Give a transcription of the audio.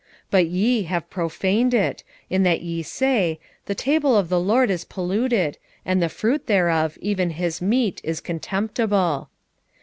1:12 But ye have profaned it, in that ye say, The table of the LORD is polluted; and the fruit thereof, even his meat, is contemptible.